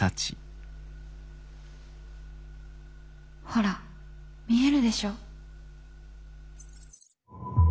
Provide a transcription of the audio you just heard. ほら見えるでしょ。